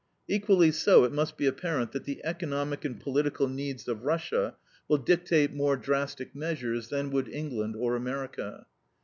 Equally so it must be apparent that the economic and political needs of Russia will dictate more drastic measures than would England or America.